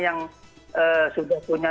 yang sudah punya